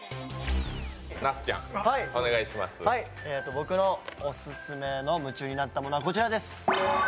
僕のオススメの夢中になったものは、こちらです。